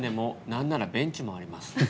なんならベンチもあります。